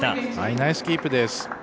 ナイスキープです。